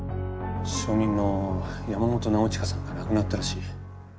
証人の山本尚親さんが亡くなったらしい。